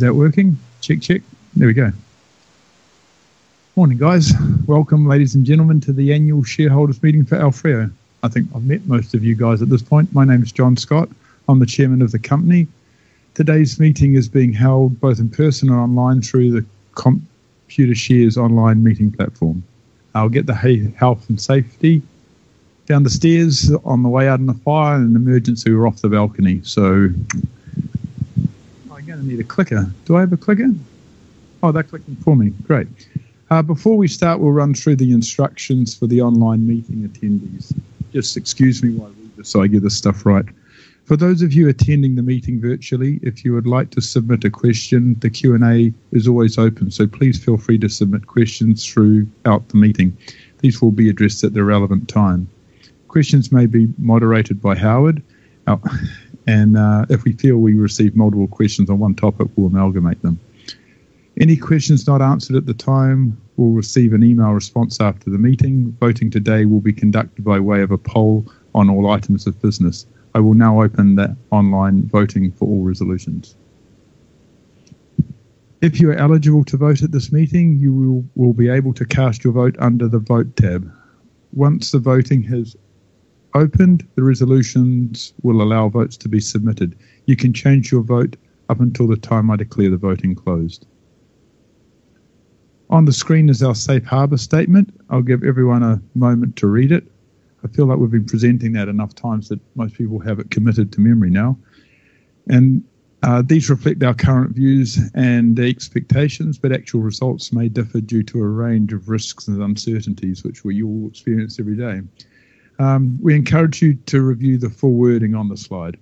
Morning, guys. Welcome, ladies and gentlemen, to the annual shareholders' meeting for AoFrio. I think I've met most of you guys at this point. My name is John Scott. I'm the Chairman of the company. Today's meeting is being held both in person and online through the Computershare's online meeting platform. I'll get the health and safety. Down the stairs, on the way out in a fire in an emergency or off the balcony. I'm going to need a clicker. Do I have a clicker? Oh, they're clicking for me. Great. Before we start, we'll run through the instructions for the online meeting attendees. Just excuse me while we just so I get this stuff right. For those of you attending the meeting virtually, if you would like to submit a question, the Q&A is always open, so please feel free to submit questions throughout the meeting. These will be addressed at the relevant time. Questions may be moderated by Howard. If we feel we receive multiple questions on one topic, we'll amalgamate them. Any questions not answered at the time will receive an email response after the meeting. Voting today will be conducted by way of a poll on all items of business. I will now open the online voting for all resolutions. If you are eligible to vote at this meeting, you will be able to cast your vote under the Vote tab. Once the voting has opened, the resolutions will allow votes to be submitted. You can change your vote up until the time I declare the voting closed. On the screen is our safe harbor statement. I'll give everyone a moment to read it. I feel like we've been presenting that enough times that most people have it committed to memory now. These reflect our current views and expectations, but actual results may differ due to a range of risks and uncertainties, which we all experience every day. We encourage you to review the full wording on the slide.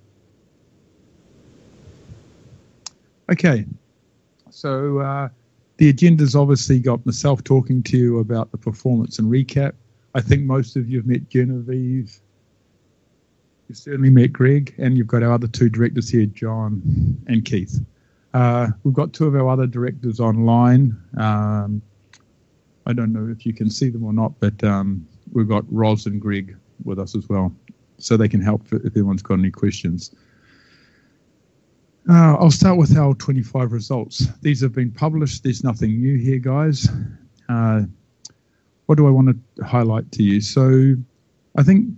The agenda's obviously got myself talking to you about the performance and recap. I think most of you have met Genevieve. You've certainly met Greg, and you've got our other two directors here, John and Keith. We've got two of our other directors online. I don't know if you can see them or not, but we've got Roz and Greg with us as well. They can help if anyone's got any questions. I'll start with our 2025 results. These have been published. There's nothing new here, guys. What do I want to highlight to you? I think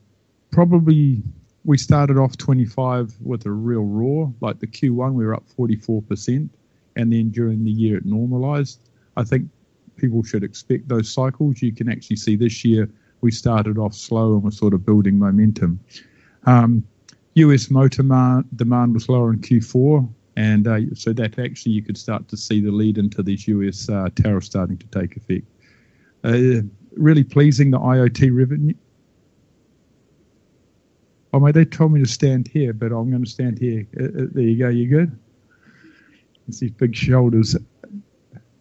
probably we started off 2025 with a real roar. Like the Q1, we were up 44%, and then during the year it normalized. I think people should expect those cycles. You can actually see this year we started off slow, and we're sort of building momentum. U.S. motor demand was lower in Q4, and so that actually you could start to see the lead into these U.S. tariffs starting to take effect. Oh, mate, they told me to stand here, but I'm going to stand here. There you go. You good? Can see big shoulders.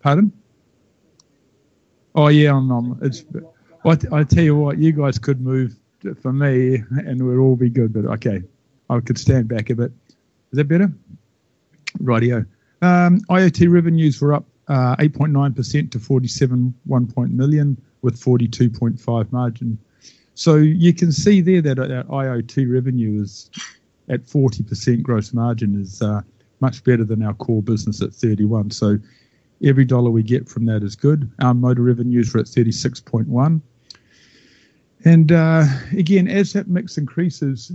Pardon? Oh, yeah. I tell you what, you guys could move for me, and we'd all be good, but okay. I could stand back a bit. Is that better? Righty-ho. IoT revenues were up 8.9% to 47.1 million, with 42.5% margin. You can see there that our IoT revenue is at 40% gross margin is much better than our core business at 31%. Every NZD we get from that is good. Our motor revenues were at 36.1 million. Again, as that mix increases,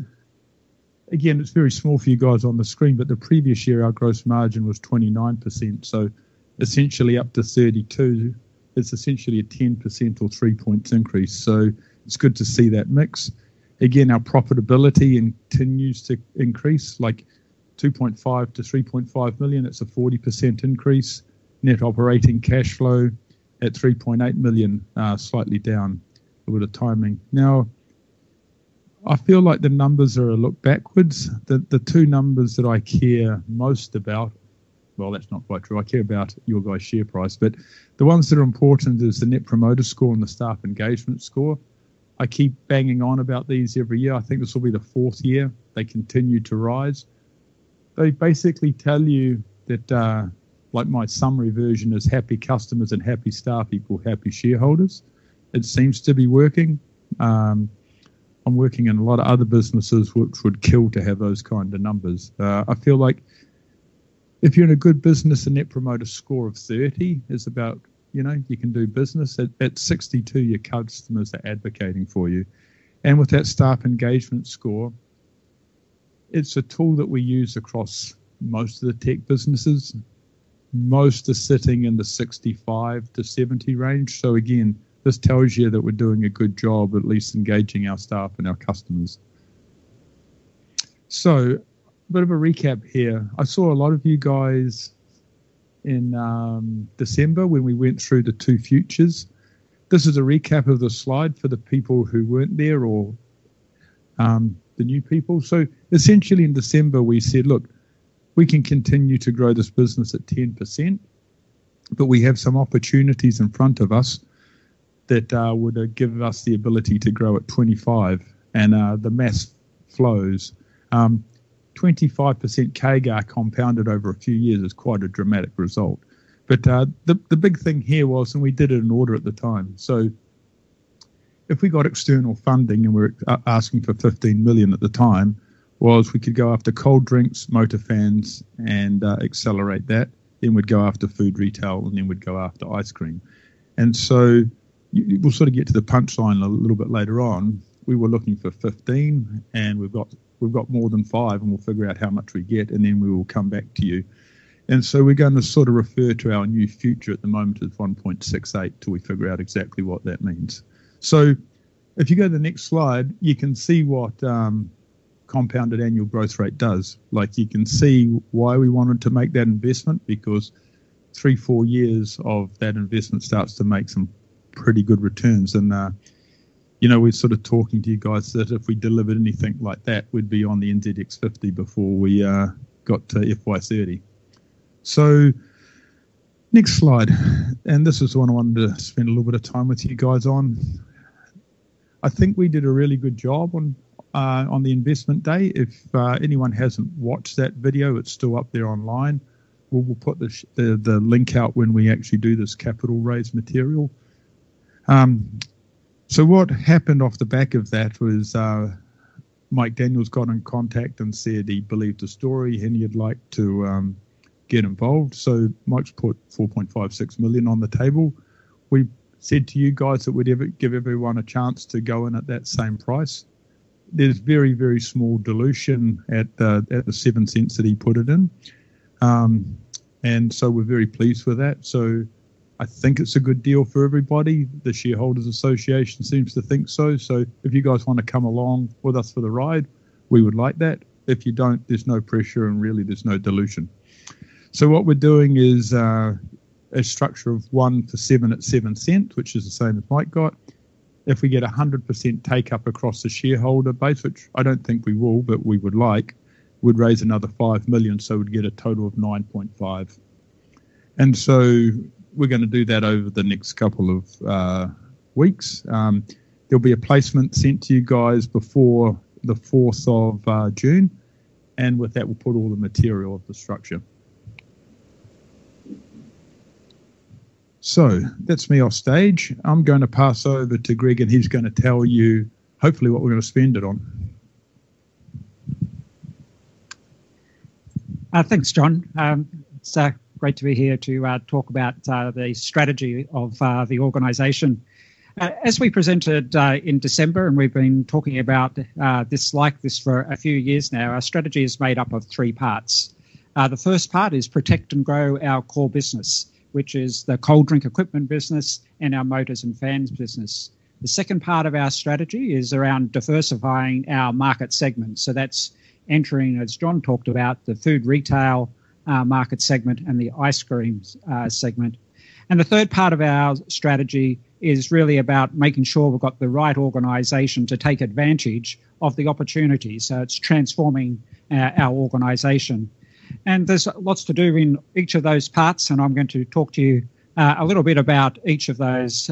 again, it's very small for you guys on the screen, but the previous year, our gross margin was 29%. Essentially up to 32%, it's essentially a 10% or three points increase. It's good to see that mix. Again, our profitability continues to increase like 2.5 million-3.5 million. It's a 40% increase. Net operating cash flow at 3.8 million, slightly down. A bit of timing. Now, I feel like the numbers are a look backwards. The two numbers that I care most about Well, that's not quite true. I care about your guys' share price. The ones that are important is the Net Promoter Score and the staff engagement score. I keep banging on about these every year. I think this will be the fourth year they continue to rise. They basically tell you that, like my summary version is happy customers and happy staff equal happy shareholders. It seems to be working. I'm working in a lot of other businesses which would kill to have those kind of numbers. I feel like if you're in a good business, a Net Promoter Score of 30 is about, you can do business. At 62, your customers are advocating for you. With that staff engagement score, it's a tool that we use across most of the tech businesses. Most are sitting in the 65-70 range. Again, this tells you that we're doing a good job at least engaging our staff and our customers. Bit of a recap here. I saw a lot of you guys in December when we went through the two futures. This is a recap of the slide for the people who weren't there or the new people. Essentially in December, we said, "Look, we can continue to grow this business at 10%, but we have some opportunities in front of us that would give us the ability to grow at 25%," and the math flows. 25% CAGR compounded over a few years is quite a dramatic result. The big thing here was, and we did it in order at the time. If we got external funding, and we were asking for 15 million at the time, was we could go after cold drinks, motor fans, and accelerate that. We'd go after food retail, and then we'd go after ice cream. We'll get to the punchline a little bit later on. We were looking for 15, and we've got more than NZD five, and we'll figure out how much we get, and then we will come back to you. We're going to refer to our new future at the moment as 1.68 till we figure out exactly what that means. If you go to the next slide, you can see what compounded annual growth rate does. You can see why we wanted to make that investment, because three, four years of that investment starts to make some pretty good returns. We're sort of talking to you guys that if we delivered anything like that, we'd be on the NZX50 before we got to FY 2030. Next slide. This is the one I wanted to spend a little bit of time with you guys on. I think we did a really good job on the investment day. If anyone hasn't watched that video, it's still up there online. We'll put the link out when we actually do this capital raise material. What happened off the back of that was Mike Daniel got in contact and said he believed the story and he'd like to get involved. Mike's put 4.56 million on the table. We said to you guys that we'd give everyone a chance to go in at that same price. There's very small dilution at the 0.07 that he put it in. We're very pleased with that. I think it's a good deal for everybody. The shareholders' association seems to think so. If you guys want to come along with us for the ride, we would like that. If you don't, there's no pressure and really there's no dilution. What we're doing is a structure of one to seven at 0.07, which is the same as Mike got. If we get 100% take-up across the shareholder base, which I don't think we will, but we would like, we'd raise another 5 million, we'd get a total of 9.5 million. We're going to do that over the next couple of weeks. There'll be a placement sent to you guys before the 4th of June. With that, we'll put all the material of the structure. That's me off stage. I'm going to pass over to Greg, and he's going to tell you hopefully what we're going to spend it on. Thanks, John. It's great to be here to talk about the strategy of the organization. As we presented in December, and we've been talking about this like this for a few years now, our strategy is made up of three parts. The first part is protect and grow our core business, which is the cold drink equipment business and our motors and fans business. The second part of our strategy is around diversifying our market segments. That's entering, as John talked about, the food retail market segment and the ice creams segment. The third part of our strategy is really about making sure we've got the right organization to take advantage of the opportunity. It's transforming our organization. There's lots to do in each of those parts, and I'm going to talk to you a little bit about each of those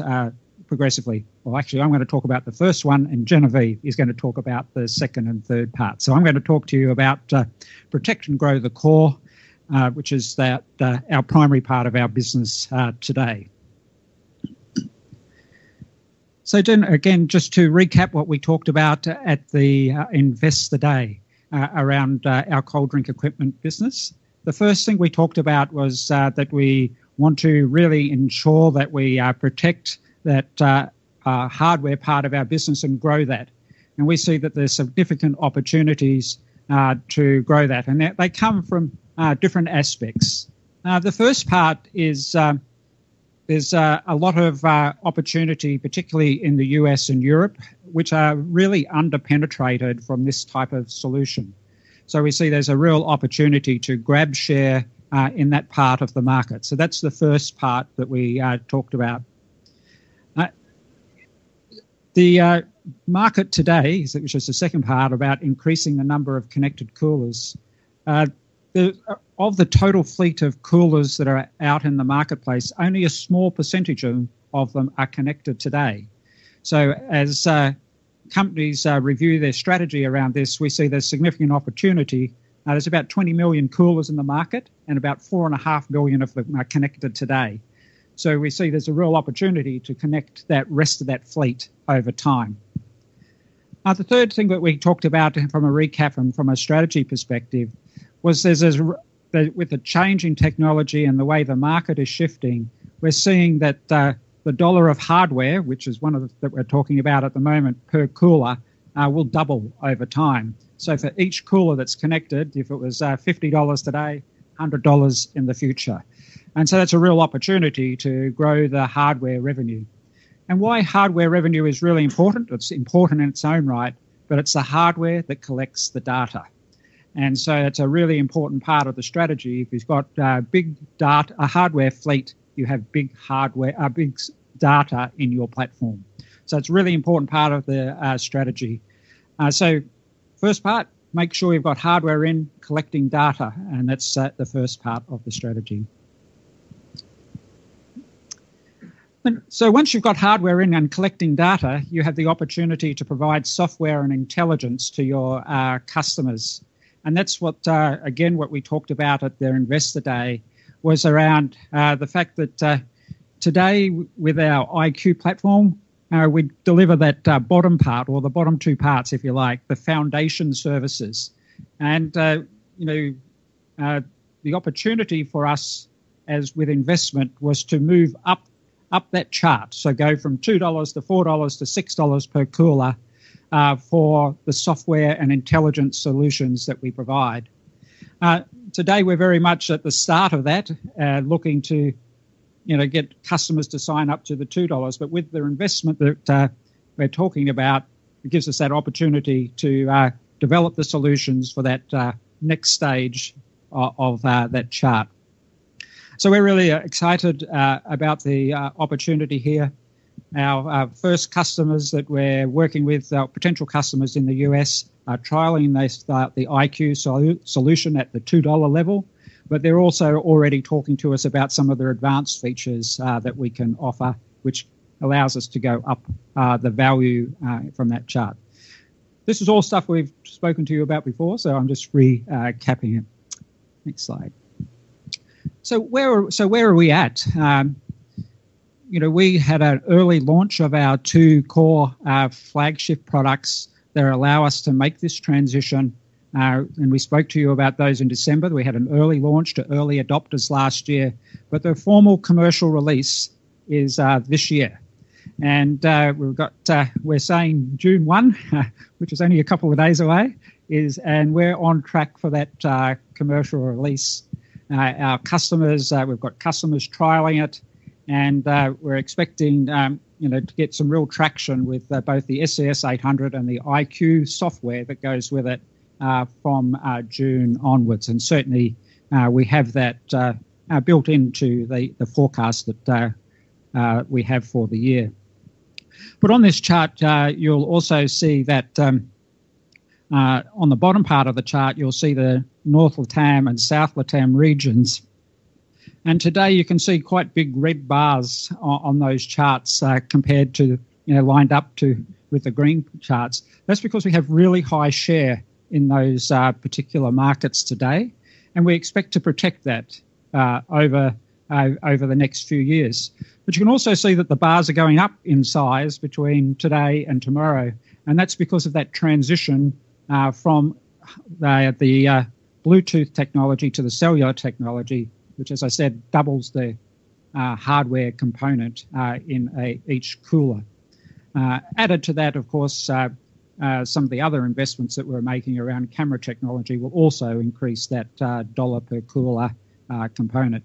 progressively. Well, actually, I'm going to talk about the first one, and Genevieve is going to talk about the second and third part. I'm going to talk to you about protect and grow the core, which is our primary part of our business today. Again, just to recap what we talked about at the investor day around our cold drink equipment business. The first thing we talked about was that we want to really ensure that we protect that hardware part of our business and grow that. We see that there's significant opportunities to grow that, and they come from different aspects. The first part is there's a lot of opportunity, particularly in the U.S. and Europe, which are really under-penetrated from this type of solution. We see there's a real opportunity to grab share in that part of the market. That's the first part that we talked about. The market today, which is the second part about increasing the number of connected coolers. Of the total fleet of coolers that are out in the marketplace, only a small percentage of them are connected today. As companies review their strategy around this, we see there's significant opportunity. There's about 20 million coolers in the market and about 4.5 million of them are connected today. We see there's a real opportunity to connect that rest of that fleet over time. The third thing that we talked about from a recap and from a strategy perspective was with the change in technology and the way the market is shifting, we're seeing that the dollar of hardware, which is one of that we're talking about at the moment per cooler, will double over time. For each cooler that's connected, if it was 50 dollars today, 100 dollars in the future. That's a real opportunity to grow the hardware revenue. Why hardware revenue is really important, it's important in its own right, but it's the hardware that collects the data. It's a really important part of the strategy. If you've got a hardware fleet, you have big data in your platform. It's really important part of the strategy. First part, make sure you've got hardware in collecting data, and that's the first part of the strategy. Once you've got hardware in and collecting data, you have the opportunity to provide software and intelligence to your customers. That's what, again, what we talked about at their investor day was around the fact that today, with our iQ platform, we deliver that bottom part or the bottom two parts, if you like, the foundation services. The opportunity for us as with investment was to move up that chart. Go from 2 dollars to 4 dollars to 6 dollars per cooler for the software and intelligent solutions that we provide. Today, we're very much at the start of that, looking to get customers to sign up to the 2 dollars. With the investment that we're talking about, it gives us that opportunity to develop the solutions for that next stage of that chart. We're really excited about the opportunity here. Our first customers that we're working with, potential customers in the U.S., are trialing the iQ solution at the 2 dollar level. They're also already talking to us about some of their advanced features that we can offer, which allows us to go up the value from that chart. This is all stuff we've spoken to you about before, so I'm just recapping it. Next slide. Where are we at? We had an early launch of our two core flagship products that allow us to make this transition. We spoke to you about those in December. We had an early launch to early adopters last year. The formal commercial release is this year. We're saying June 1, which is only a couple of days away. We're on track for that commercial release. We've got customers trialing it, and we're expecting to get some real traction with both the SCS 800 and the iQ software that goes with it from June onwards. Certainly, we have that built into the forecast that we have for the year. On this chart, you'll also see that on the bottom part of the chart, you'll see the North LatAm and South LatAm regions. Today, you can see quite big red bars on those charts compared to with the green charts. That's because we have really high share in those particular markets today, and we expect to protect that over the next few years. You can also see that the bars are going up in size between today and tomorrow. That's because of that transition from the Bluetooth technology to the cellular technology, which as I said, doubles the hardware component in each cooler. Added to that, of course, some of the other investments that we're making around camera technology will also increase that dollar per cooler component.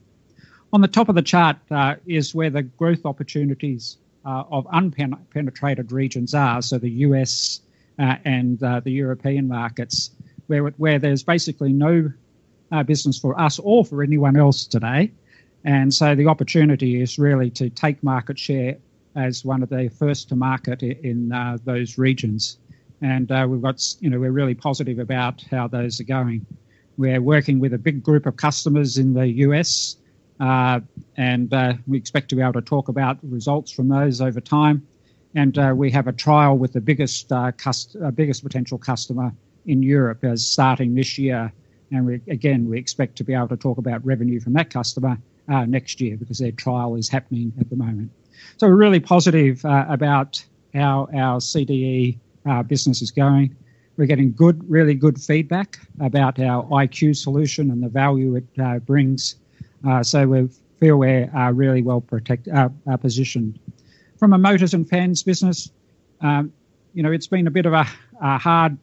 On the top of the chart is where the growth opportunities of unpenetrated regions are. The U.S. and the European markets where there's basically no business for us or for anyone else today. The opportunity is really to take market share as one of the first to market in those regions. We're really positive about how those are going. We're working with a big group of customers in the U.S., and we expect to be able to talk about results from those over time. We have a trial with the biggest potential customer in Europe as starting this year. Again, we expect to be able to talk about revenue from that customer next year because their trial is happening at the moment. We're really positive about how our CDE business is going. We're getting really good feedback about our AoFrio iQ solution and the value it brings. We feel we're really well-positioned. From a motors and fans business, it's been a bit of a hard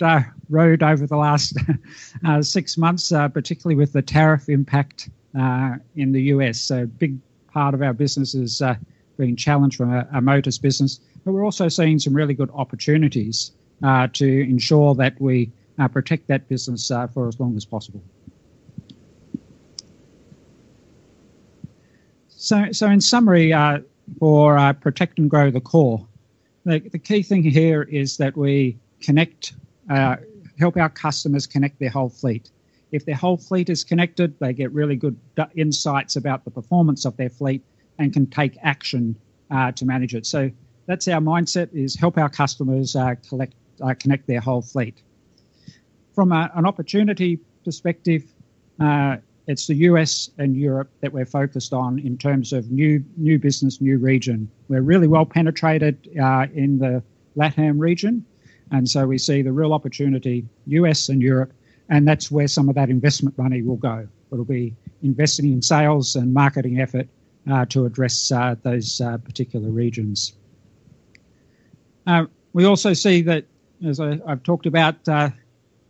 road over the last six months, particularly with the tariff impact in the U.S. A big part of our business is being challenged from our motors business. We're also seeing some really good opportunities to ensure that we protect that business for as long as possible. In summary, for protect and grow the core. The key thing here is that we help our customers connect their whole fleet. If their whole fleet is connected, they get really good insights about the performance of their fleet and can take action to manage it. That's our mindset is help our customers connect their whole fleet. From an opportunity perspective, it's the U.S. and Europe that we're focused on in terms of new business, new region. We're really well penetrated in the LatAm region, we see the real opportunity, U.S. and Europe. That's where some of that investment money will go. It'll be investing in sales and marketing effort to address those particular regions. We also see that, as I've talked about,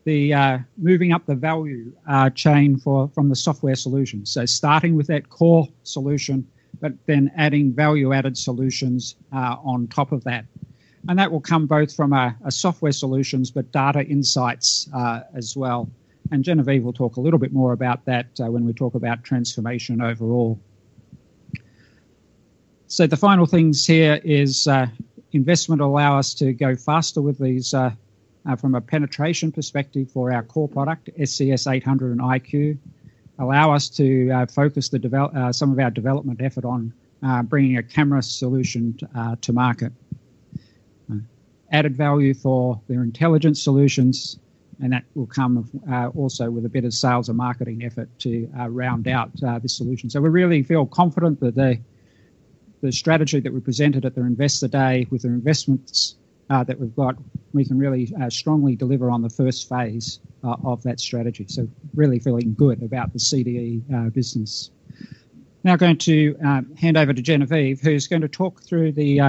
moving up the value chain from the software solution. Starting with that core solution, adding value-added solutions on top of that. That will come both from a software solutions, data insights as well. Genevieve will talk a little bit more about that when we talk about transformation overall. The final things here is investment allow us to go faster with these from a penetration perspective for our core product, SCS 800 and iQ. Allow us to focus some of our development effort on bringing a camera solution to market. Added value for their intelligence solutions. That will come also with a bit of sales and marketing effort to round out the solution. We really feel confident that the strategy that we presented at the Investor Day with the investments that we've got, we can really strongly deliver on the first phase of that strategy. Really feeling good about the CDE business. Now going to hand over to Genevieve, who's going to talk through the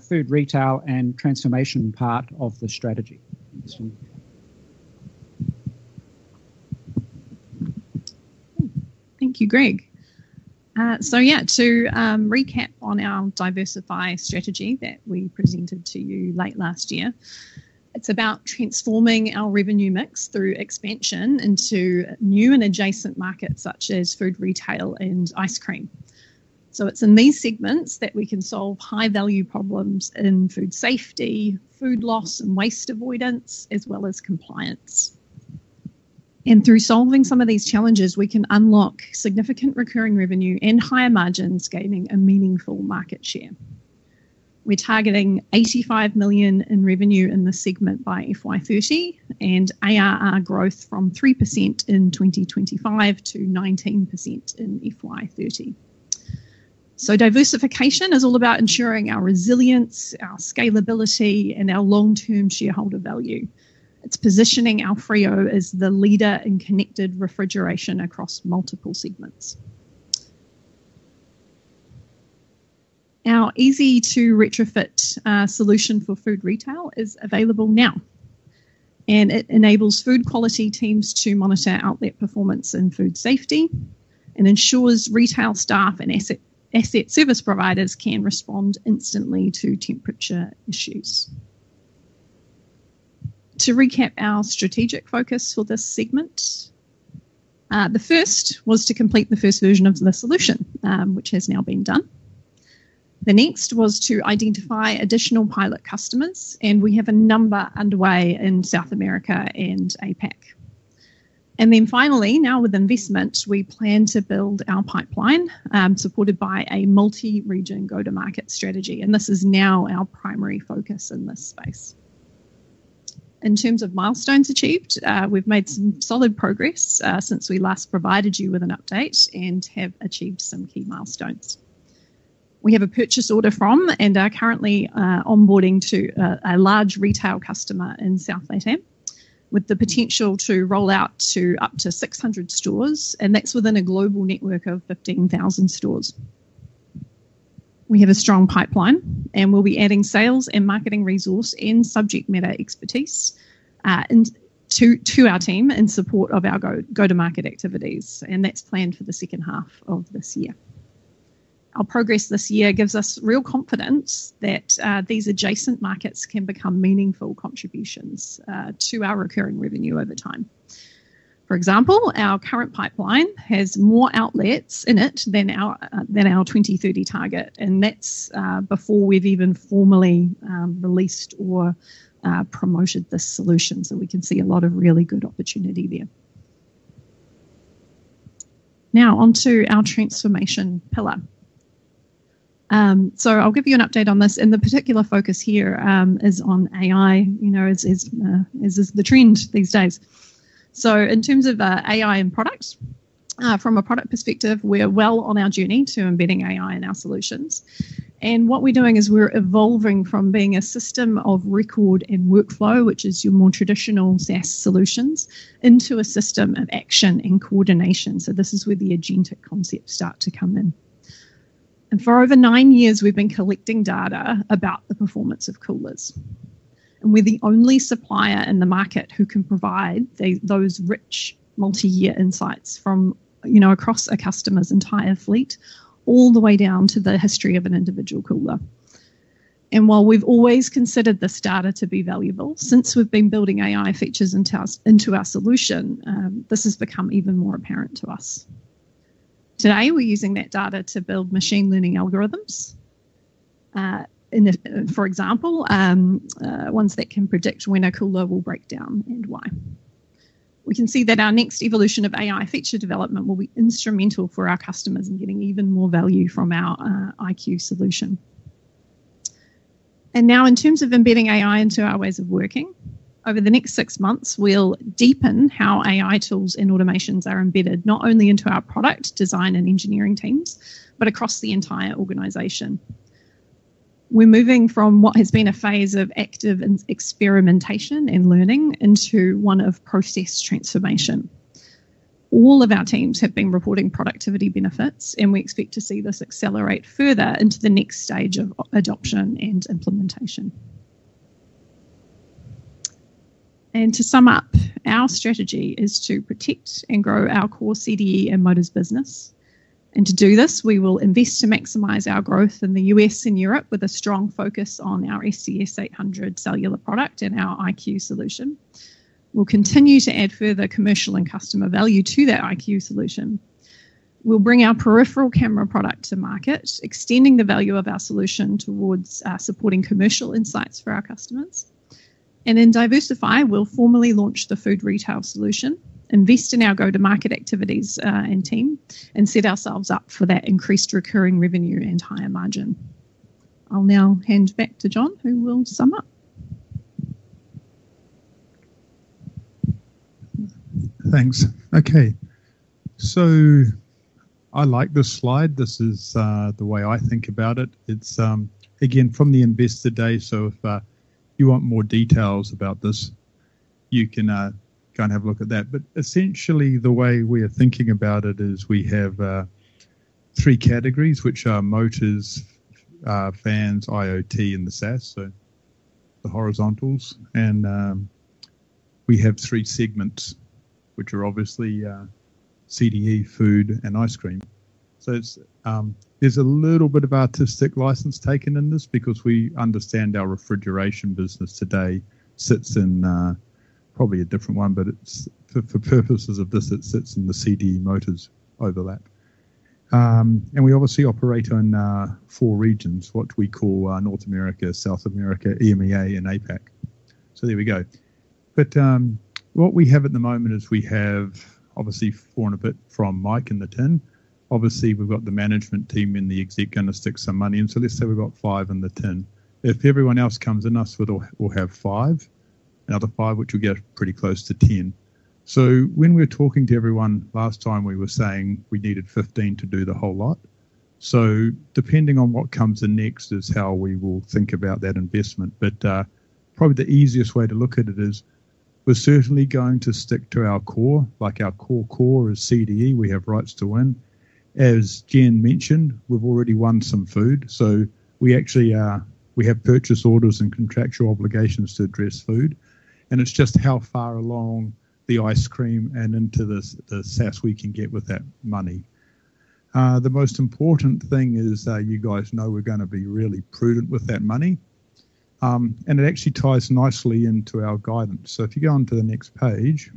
food retail and transformation part of the strategy. Thanks. Thank you, Greg. Yeah, to recap on our diversify strategy that we presented to you late last year, it's about transforming our revenue mix through expansion into new and adjacent markets such as food, retail, and ice cream. It's in these segments that we can solve high-value problems in food safety, food loss and waste avoidance, as well as compliance. Through solving some of these challenges, we can unlock significant recurring revenue and higher margins, gaining a meaningful market share. We're targeting 85 million in revenue in this segment by FY 2030 and ARR growth from 3% in 2025 to 19% in FY 2030. Diversification is all about ensuring our resilience, our scalability, and our long-term shareholder value. It's positioning AoFrio as the leader in connected refrigeration across multiple segments. Our easy-to-retrofit solution for food retail is available now, and it enables food quality teams to monitor outlet performance and food safety and ensures retail staff and asset service providers can respond instantly to temperature issues. To recap our strategic focus for this segment, the first was to complete the first version of the solution, which has now been done. The next was to identify additional pilot customers, and we have a number underway in South America and APAC. Finally, now with investment, we plan to build our pipeline, supported by a multi-region go-to-market strategy, and this is now our primary focus in this space. In terms of milestones achieved, we've made some solid progress since we last provided you with an update and have achieved some key milestones. We have a purchase order from and are currently onboarding to a large retail customer in South LatAm with the potential to roll out to up to 600 stores, that's within a global network of 15,000 stores. We have a strong pipeline, we'll be adding sales and marketing resource and subject matter expertise to our team in support of our go-to-market activities. That's planned for the second half of this year. Our progress this year gives us real confidence that these adjacent markets can become meaningful contributions to our recurring revenue over time. For example, our current pipeline has more outlets in it than our 2030 target, that's before we've even formally released or promoted this solution. We can see a lot of really good opportunity there. On to our transformation pillar. I'll give you an update on this, and the particular focus here is on AI, as is the trend these days. In terms of AI and product, from a product perspective, we are well on our journey to embedding AI in our solutions. What we're doing is we're evolving from being a system of record and workflow, which is your more traditional SaaS solutions, into a system of action and coordination. This is where the agentic concepts start to come in. For over nine years, we've been collecting data about the performance of coolers. We're the only supplier in the market who can provide those rich multi-year insights from across a customer's entire fleet, all the way down to the history of an individual cooler. While we've always considered this data to be valuable, since we've been building AI features into our solution, this has become even more apparent to us. Today, we're using that data to build machine learning algorithms. For example, ones that can predict when a cooler will break down and why. We can see that our next evolution of AI feature development will be instrumental for our customers in getting even more value from our iQ solution. Now in terms of embedding AI into our ways of working, over the next six months, we'll deepen how AI tools and automations are embedded, not only into our product design and engineering teams, but across the entire organization. We're moving from what has been a phase of active experimentation and learning into one of process transformation. All of our teams have been reporting productivity benefits. We expect to see this accelerate further into the next stage of adoption and implementation. To sum up, our strategy is to protect and grow our core CDE and motors business. To do this, we will invest to maximize our growth in the U.S. and Europe with a strong focus on our SCS 800 cellular product and our iQ solution. We'll continue to add further commercial and customer value to that iQ solution. We'll bring our peripheral camera product to market, extending the value of our solution towards supporting commercial insights for our customers. Diversify. We'll formally launch the food retail solution, invest in our go-to-market activities, and team, and set ourselves up for that increased recurring revenue and higher margin. I'll now hand back to John, who will sum up. Thanks. Okay. I like this slide. This is the way I think about it. It's, again, from the investor day, so if you want more details about this, you can go and have a look at that. Essentially, the way we are thinking about it is we have three categories, which are motors, fans, IoT, and the SaaS. The horizontals. We have three segments, which are obviously CDE, food, and ice cream. There's a little bit of artistic license taken in this because we understand our refrigeration business today sits in probably a different one. For purposes of this, it sits in the CDE motors overlap. We obviously operate in four regions, what we call North America, South America, EMEA, and APAC. There we go. What we have at the moment is we have obviously four and a bit from Mike in the tin. Obviously, we've got the management team and the exec going to stick some money in. Let's say we've got five in the tin. If everyone else comes in, us, we'll have five. Another five, which will get pretty close to 10. When we were talking to everyone last time, we were saying we needed 15 to do the whole lot. Depending on what comes in next is how we will think about that investment. Probably the easiest way to look at it is we're certainly going to stick to our core. Like our core core is CDE. We have rights to win. As Jen mentioned, we've already won some food, so we have purchase orders and contractual obligations to address food, and it's just how far along the ice cream and into the SaaS we can get with that money. The most important thing is that you guys know we're going to be really prudent with that money. It actually ties nicely into our guidance. If you go on to the next page,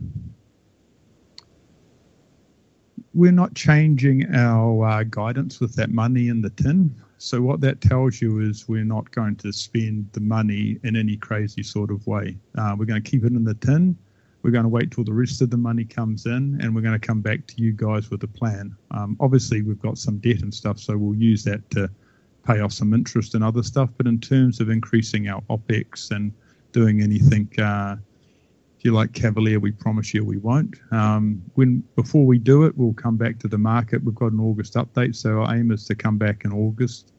we're not changing our guidance with that money in the tin. What that tells you is we're not going to spend the money in any crazy sort of way. We're going to keep it in the tin. We're going to wait till the rest of the money comes in, and we're going to come back to you guys with a plan. Obviously, we've got some debt and stuff, so we'll use that to pay off some interest and other stuff. In terms of increasing our OpEx and doing anything, if you like, cavalier, we promise you we won't. Before we do it, we'll come back to the market. We've got an August update, so our aim is to come back in August,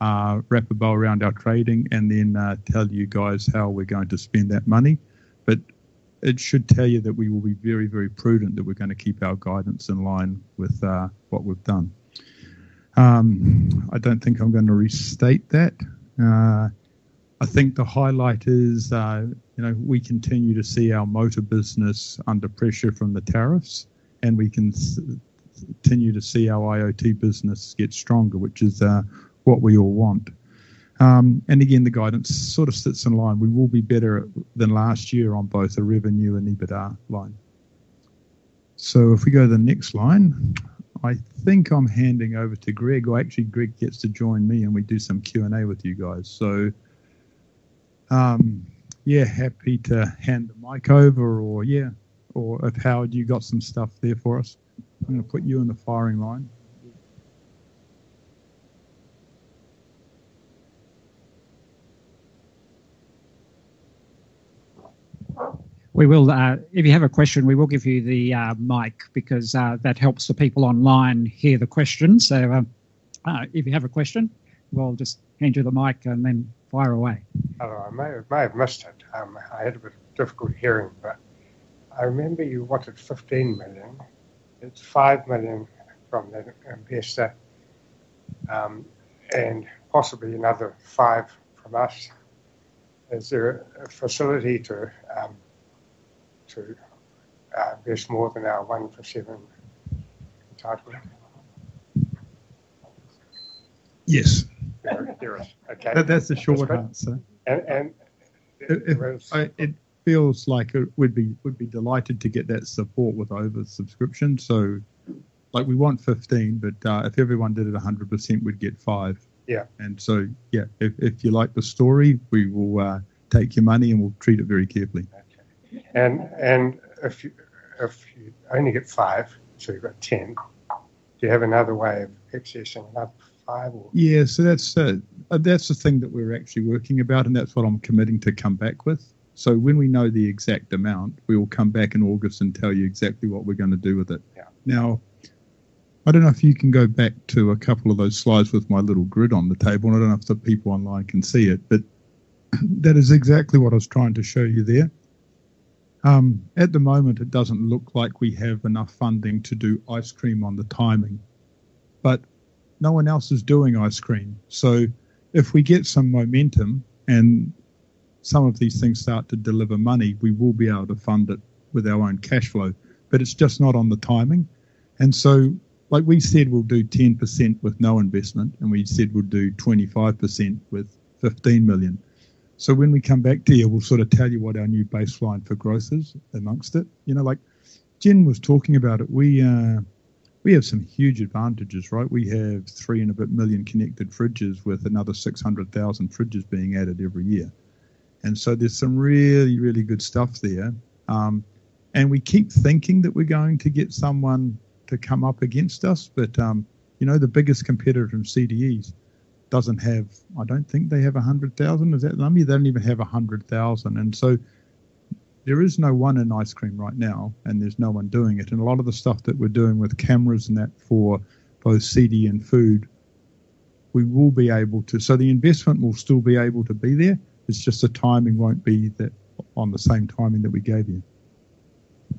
wrap a bow around our trading, and then tell you guys how we're going to spend that money. It should tell you that we will be very, very prudent, that we're going to keep our guidance in line with what we've done. I don't think I'm going to restate that. I think the highlight is we continue to see our motor business under pressure from the tariffs, and we continue to see our IoT business get stronger, which is what we all want. Again, the guidance sort of sits in line. We will be better than last year on both the revenue and EBITDA line. If we go to the next line, I think I'm handing over to Greg. Well, actually, Greg gets to join me, and we do some Q&A with you guys. Yeah, happy to hand the mic over. If, Howard, you got some stuff there for us, I'm going to put you in the firing line. If you have a question, we will give you the mic because that helps the people online hear the question. If you have a question, we'll just hand you the mic and then fire away. Hello. I might have missed it. I had a bit of difficult hearing, I remember you wanted 15 million. It's 5 million from the investor, and possibly another 5 million from us. Is there a facility to invest more than our one for seven entitlement? Yes. There is. Okay. That's the short answer. And- It feels like we'd be delighted to get that support with oversubscription. We want 15, but if everyone did it 100%, we'd get five. Yeah. Yeah, if you like the story, we will take your money, and we'll treat it very carefully. Okay. If you only get five, so you've got 10, do you have another way of accessing another five or? Yeah. That's the thing that we're actually working about, and that's what I'm committing to come back with. When we know the exact amount, we will come back in August and tell you exactly what we're going to do with it. Yeah. I don't know if you can go back to a couple of those slides with my little grid on the table, and I don't know if the people online can see it, but that is exactly what I was trying to show you there. At the moment, it doesn't look like we have enough funding to do ice cream on the timing, but no one else is doing ice cream. If we get some momentum and some of these things start to deliver money, we will be able to fund it with our own cash flow. It's just not on the timing. Like we said, we'll do 10% with no investment, and we said we'd do 25% with 15 million. When we come back to you, we'll sort of tell you what our new baseline for growth is amongst it. Like Jen was talking about it, We have some huge advantages, right? We have three and a bit million connected fridges with another 600,000 fridges being added every year. There's some really good stuff there. We keep thinking that we're going to get someone to come up against us, but the biggest competitor from CDEs, I don't think they have 100,000. Is that them? They don't even have 100,000. There is no one in ice cream right now, and there's no one doing it. A lot of the stuff that we're doing with cameras and that for both CDE and food, we will be able to. The investment will still be able to be there. It's just the timing won't be on the same timing that we gave you.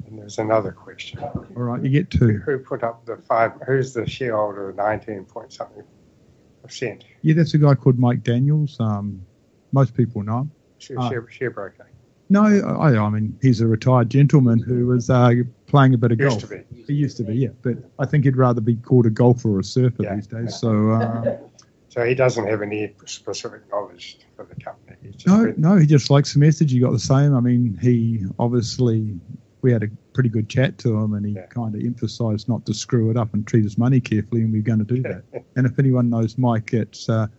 There's another question. All right, you get two. Who's the shareholder of 19 point something%? Yeah, that's a guy called Mike Daniels. Most people know him. Sharebroking. No. He's a retired gentleman who was playing a bit of golf. Used to be. He used to be, yeah. I think he'd rather be called a golfer or surfer these days. Yeah. He doesn't have any specific knowledge for the company. No, he just likes the message. He got the same. Obviously, we had a pretty good chat to him. Yeah kind of emphasized not to screw it up and treat his money carefully, and we're going to do that. Yeah. If anyone knows Mike, he's a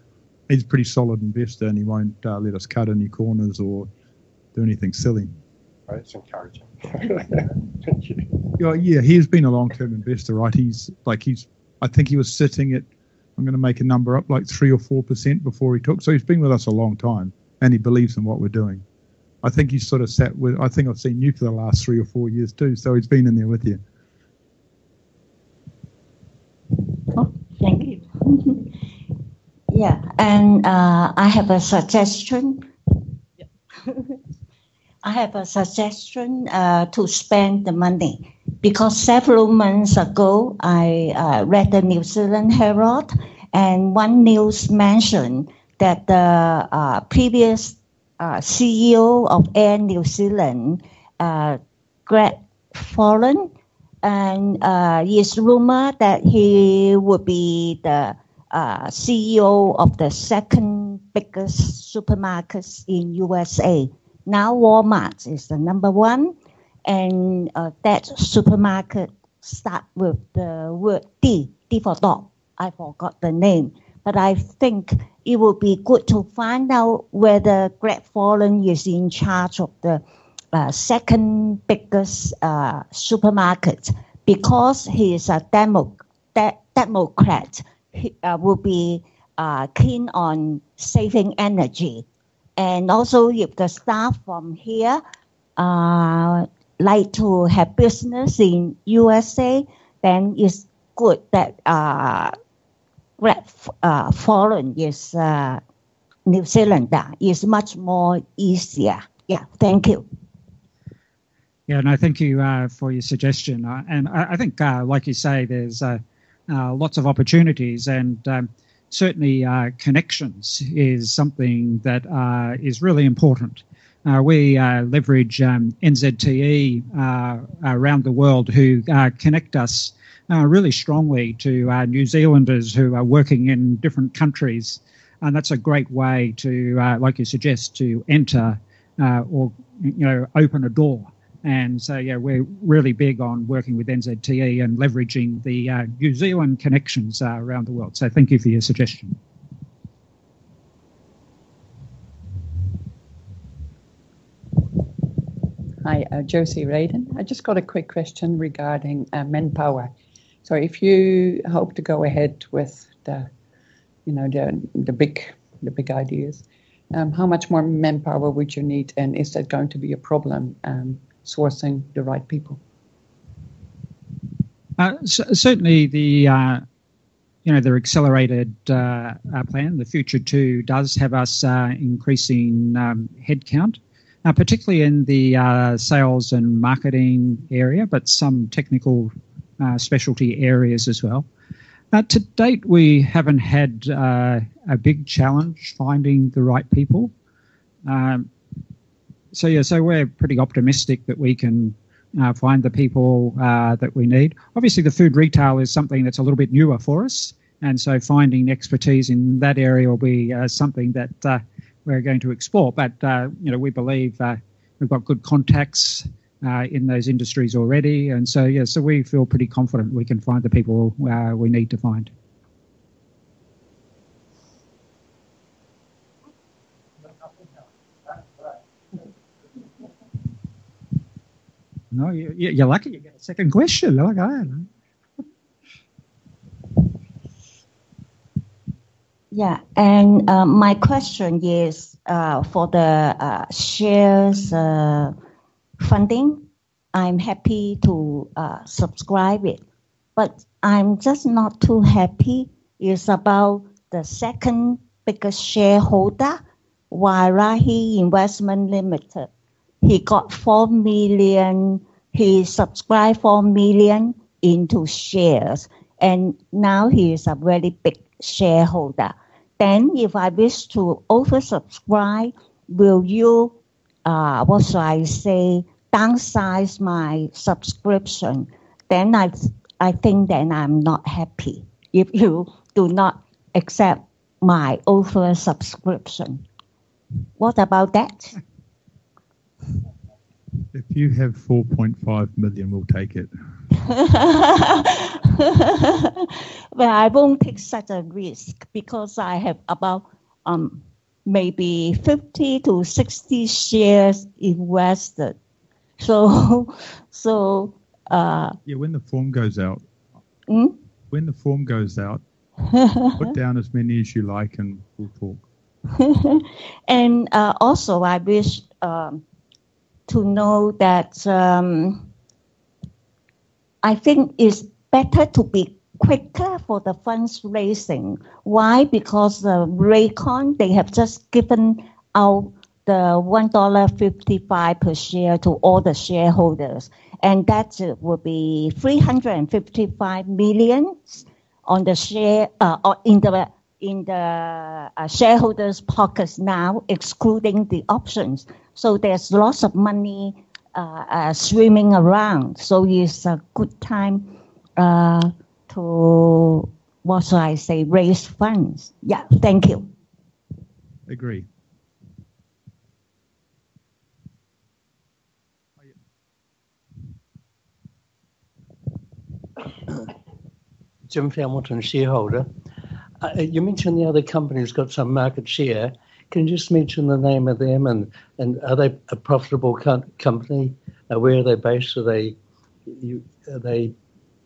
pretty solid investor, and he won't let us cut any corners or do anything silly. That's encouraging. Thank you. Well, yeah. He's been a long-term investor, right? I think he was sitting at, I'm going to make a number up, like 3% or 4% before he took. He's been with us a long time, and he believes in what we're doing. I think I've seen you for the last three or four years, too. He's been in there with you. Cool. Thank you. Yeah. I have a suggestion. I have a suggestion to spend the money because several months ago, I read The New Zealand Herald, and one news mentioned that the previous CEO of Air New Zealand, Greg Foran. He is rumored that he will be the CEO of the second biggest supermarkets in USA. Walmart is the number one, that supermarket start with the word D. D for dog. I forgot the name. I think it would be good to find out whether Greg Foran is in charge of the second biggest supermarket. Because he is a Democrat, he will be keen on saving energy. Also, if the staff from here like to have business in USA, then it's good that Greg Foran is New Zealander. It is much more easier. Yeah. Thank you. Yeah. No, thank you for your suggestion. I think like you say, there's lots of opportunities and certainly connections is something that is really important. We leverage NZTE around the world who connect us really strongly to New Zealanders who are working in different countries. That's a great way to, like you suggest, to enter or open a door. Yeah, we're really big on working with NZTE and leveraging the New Zealand connections around the world. Thank you for your suggestion. Hi, Josie Raiden. I just got a quick question regarding manpower. If you hope to go ahead with the big ideas, how much more manpower would you need and is it going to be a problem sourcing the right people? Certainly the accelerated plan, the future two, does have us increasing headcount. Particularly in the sales and marketing area, but some technical specialty areas as well. To date, we haven't had a big challenge finding the right people. Yeah, we're pretty optimistic that we can find the people that we need. Obviously, the food retail is something that's a little bit newer for us, finding expertise in that area will be something that we're going to explore. We believe we've got good contacts in those industries already. Yeah, we feel pretty confident we can find the people we need to find. No, you're lucky. You get a second question. Go ahead. Yeah. My question is for the shares funding. I'm happy to subscribe it, I'm just not too happy. It's about the second biggest shareholder, Wairahi Investments Limited. He subscribed 4 million into shares, now he is a very big shareholder. If I wish to oversubscribe, will you, what should I say, downsize my subscription? I think I'm not happy if you do not accept my oversubscription. What about that? If you have 4.5 million, we'll take it. I won't take such a risk because I have about maybe 50-60 shares invested. Yeah, when the form goes out. When the form goes out, put down as many as you like, and we'll talk. Also, I wish to know that I think it's better to be quicker for the funds raising. Why? The Ryman, they have just given out the 1.55 dollar per share to all the shareholders, and that will be 355 million in the shareholders' pockets now, excluding the options. There's lots of money swimming around, so it's a good time to, what should I say, raise funds. Yeah. Thank you. Agree. Jim Hamilton, Shareholder. You mentioned the other company's got some market share. Can you just mention the name of them, and are they a profitable company? Where are they based? Are they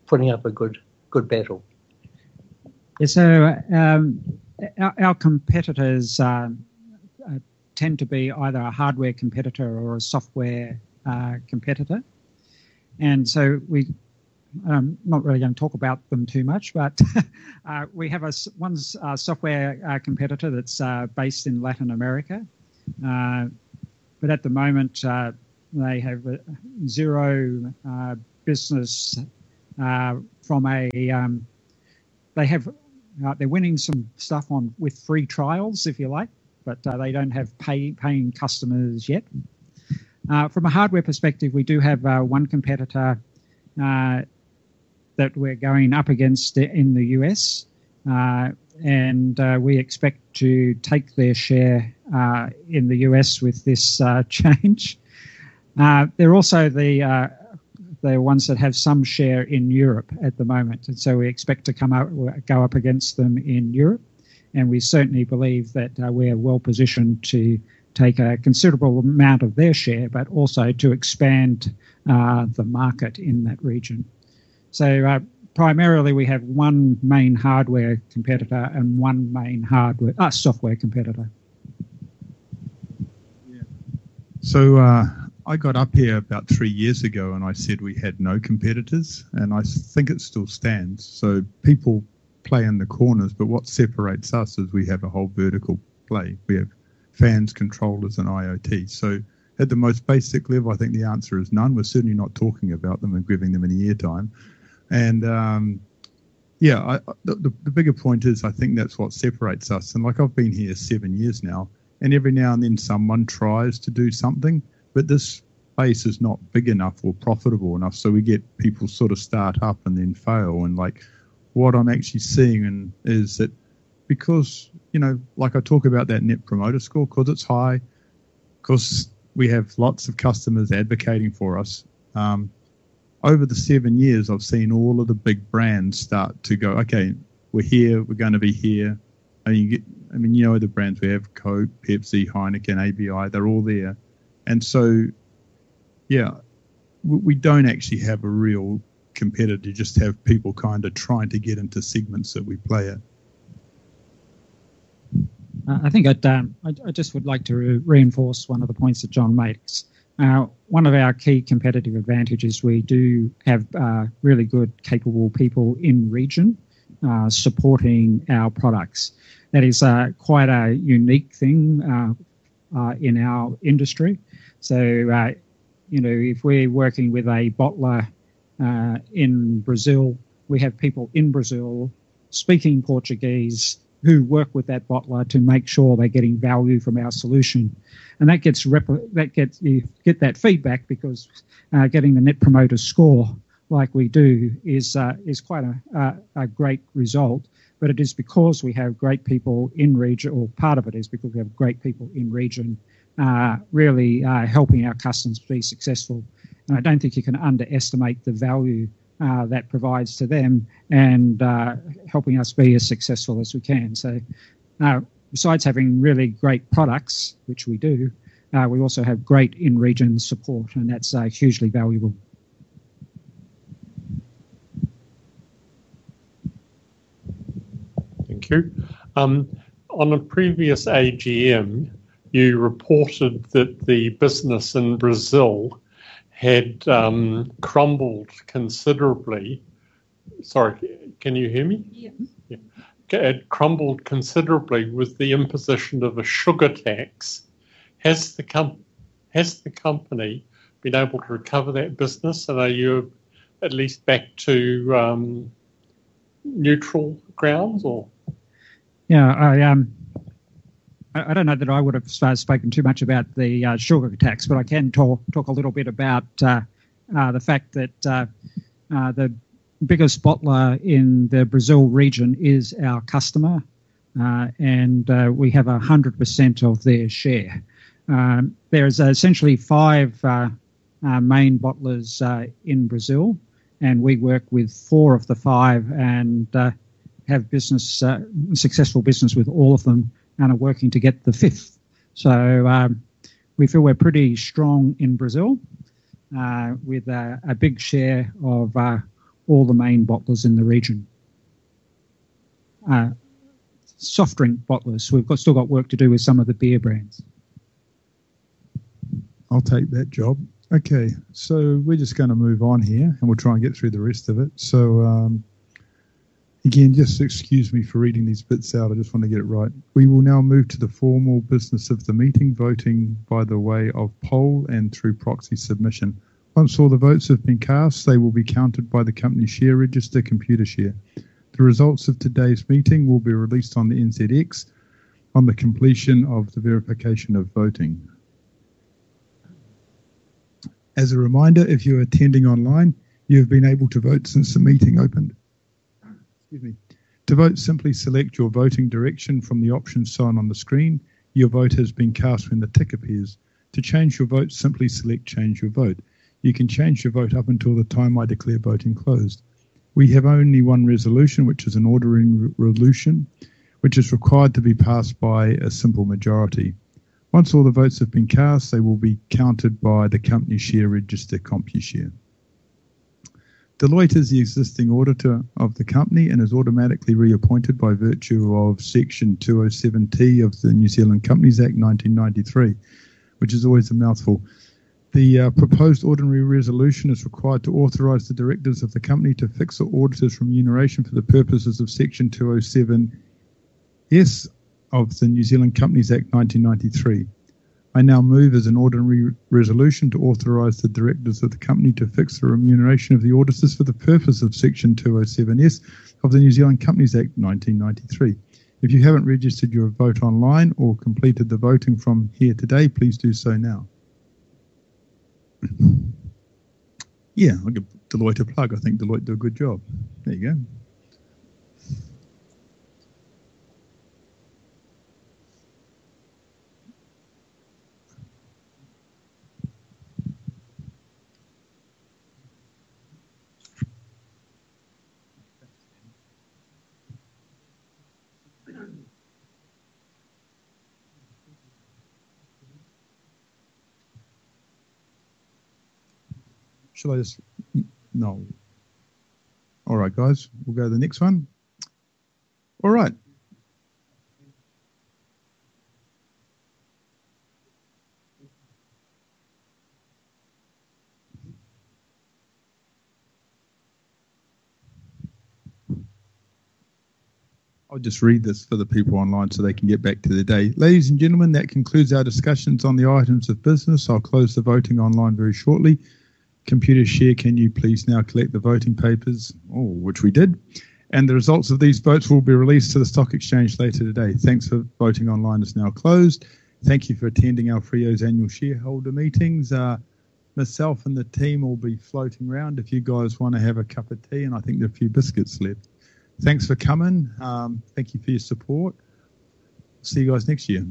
putting up a good battle? Yes. Our competitors tend to be either a hardware competitor or a software competitor. I'm not really going to talk about them too much, but one's a software competitor that's based in Latin America. At the moment, they have zero business. They're winning some stuff with free trials, if you like, but they don't have paying customers yet. From a hardware perspective, we do have one competitor that we're going up against in the U.S., and we expect to take their share in the U.S. with this change. They're ones that have some share in Europe at the moment, and so we expect to go up against them in Europe, and we certainly believe that we're well-positioned to take a considerable amount of their share, but also to expand the market in that region. Primarily, we have one main hardware competitor and one main software competitor. I got up here about three years ago, and I said we had no competitors, and I think it still stands. People play in the corners, but what separates us is we have a whole vertical play. We have fans, controllers, and IoT. At the most basic level, I think the answer is none. We're certainly not talking about them and giving them any airtime. The bigger point is I think that's what separates us. I've been here seven years now, and every now and then someone tries to do something, but this space is not big enough or profitable enough, so we get people sort of start up and then fail. What I'm actually seeing is that because I talk about that Net Promoter Score because it's high, because we have lots of customers advocating for us. Over the seven years, I've seen all of the big brands start to go, "Okay, we're here. We're going to be here." You know the brands. We have Coke, Pepsi, Heineken, ABI, they're all there. Yeah, we don't actually have a real competitor. You just have people kind of trying to get into segments that we play in. I think I just would like to reinforce one of the points that John makes. One of our key competitive advantages, we do have really good, capable people in region supporting our products. That is quite a unique thing in our industry. If we're working with a bottler in Brazil, we have people in Brazil speaking Portuguese who work with that bottler to make sure they're getting value from our solution. You get that feedback because getting the Net Promoter Score like we do is quite a great result. It is because we have great people in region, or part of it is because we have great people in region really helping our customers be successful. I don't think you can underestimate the value that provides to them and helping us be as successful as we can. Besides having really great products, which we do, we also have great in-region support, and that's hugely valuable. Thank you. On a previous AGM, you reported that the business in Brazil had crumbled considerably. Sorry, can you hear me? Yes. Yeah. Had crumbled considerably with the imposition of a sugar tax. Has the company been able to recover that business, and are you at least back to neutral grounds or? Yeah. I don't know that I would've spoken too much about the sugar tax, but I can talk a little bit about the fact that the biggest bottler in the Brazil region is our customer. We have 100% of their share. There is essentially five main bottlers in Brazil, and we work with four of the five and have successful business with all of them and are working to get the fifth. We feel we're pretty strong in Brazil, with a big share of all the main bottlers in the region. Soft drink bottlers. We've still got work to do with some of the beer brands. I'll take that job. Okay, we're just going to move on here, and we'll try and get through the rest of it. Again, just excuse me for reading these bits out. I just want to get it right. We will now move to the formal business of the meeting, voting by way of poll and through proxy submission. Once all the votes have been cast, they will be counted by the company share register Computershare. The results of today's meeting will be released on the NZX on the completion of the verification of voting. As a reminder, if you're attending online, you've been able to vote since the meeting opened. Excuse me. To vote, simply select your voting direction from the option shown on the screen. Your vote has been cast when the tick appears. To change your vote, simply select Change Your Vote. You can change your vote up until the time I declare voting closed. We have only one resolution, which is an ordinary resolution, which is required to be passed by a simple majority. Once all the votes have been cast, they will be counted by the company share register Computershare. Deloitte is the existing auditor of the company and is automatically reappointed by virtue of Section 207T of the New Zealand Companies Act 1993, which is always a mouthful. The proposed ordinary resolution is required to authorize the directors of the company to fix the auditors' remuneration for the purposes of Section 207S of the New Zealand Companies Act 1993. I now move as an ordinary resolution to authorize the directors of the company to fix the remuneration of the auditors for the purpose of Section 207S of the New Zealand Companies Act 1993. If you haven't registered your vote online or completed the voting from here today, please do so now. Yeah, I'll give Deloitte a plug. I think Deloitte do a good job. There you go. No. All right, guys, we'll go to the next one. All right. I'll just read this for the people online so they can get back to their day. Ladies and gentlemen, that concludes our discussions on the items of business. I'll close the voting online very shortly. Computershare, can you please now collect the voting papers? Oh, which we did. The results of these votes will be released to the stock exchange later today. Thanks for voting. Online is now closed. Thank you for attending AoFrio's annual shareholder meetings. Myself and the team will be floating around if you guys want to have a cup of tea, I think there are a few biscuits left. Thanks for coming. Thank you for your support. See you guys next year.